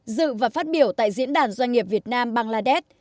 dự và phát biểu tại diễn đàn doanh nghiệp việt nam bangladesh